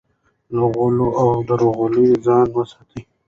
له غلو او درغلیو ځان وساتئ.